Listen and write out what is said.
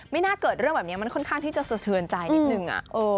น่าเกิดเรื่องแบบนี้มันค่อนข้างที่จะสะเทือนใจนิดนึง